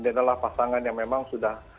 dan adalah pasangan yang memang sudah